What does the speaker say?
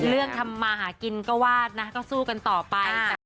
ทำมาหากินก็วาดนะก็สู้กันต่อไป